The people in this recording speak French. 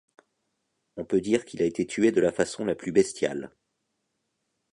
On peut dire qu’il a été tué de la façon la plus bestiale.